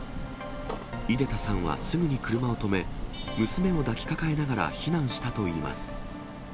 出田さんはすぐに車を止め、娘を抱きかかえながら避難したといいます。